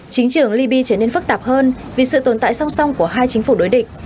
chính trường libya trở nên phức tạp hơn vì sự tồn tại song song của hai chính phủ đối địch